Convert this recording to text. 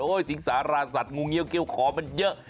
โอ้ยสิงสาราสัตว์งูเงียวเกี่ยวขอมันเยอะ